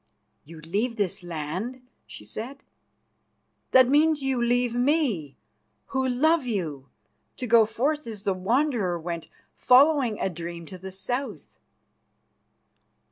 "You leave this land?" she said. "That means that you leave me, who love you, to go forth as the Wanderer went following a dream to the South.